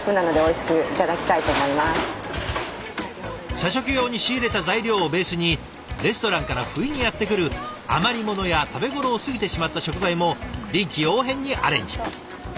社食用に仕入れた材料をベースにレストランから不意にやって来る余り物や食べ頃を過ぎてしまった食材も臨機応変にアレンジ。